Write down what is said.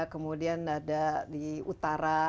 kemudian ada di utara